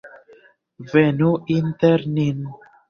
Venu inter nin!